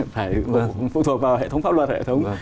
phải phụ thuộc vào hệ thống pháp luật hay hệ thống